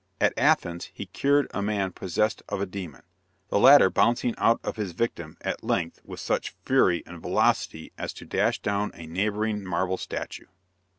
At Athens, he cured a man possessed of a demon; the latter bouncing out of his victim, at length, with such fury and velocity as to dash down a neighboring marble statue.